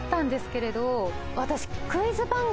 私。